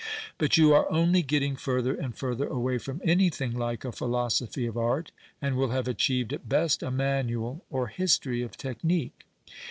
But you arc only getting further and further away from anything like a philosophy of art, and will have achieved at best a maiuial or history of technique.